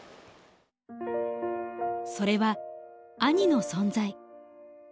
それは兄の存在。